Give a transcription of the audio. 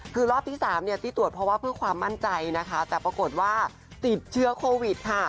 คือรอบที่๓ที่ตรวจเพราะว่าเพื่อความมั่นใจนะคะแต่ปรากฏว่าติดเชื้อโควิดค่ะ